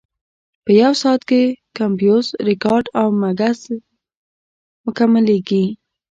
په یو ساعت کې کمپوز، ریکارډ او مکس مکملېږي.